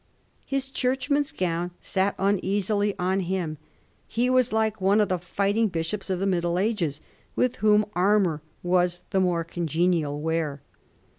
His churchman's gown sat uneasily on him ; he was Uke one of the fighting bishops of the Middle Ages, with whom armour was the more congenial wear.